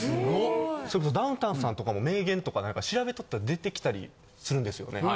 それこそダウンタウンさんとかも名言とか調べとったら出てきたりするんですよね。